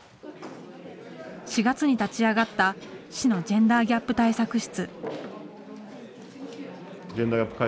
４月に立ち上がった市のジェンダーギャップ対策室。